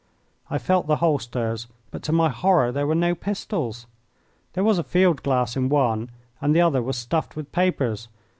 I felt the holsters, but, to my horror, there were no pistols. There was a field glass in one and the other was stuffed with papers.